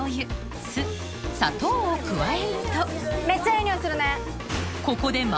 めっちゃいい匂いするね。